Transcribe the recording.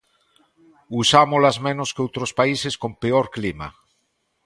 Usámolas menos que outros países con peor clima.